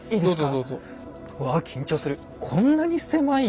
うわ緊張する。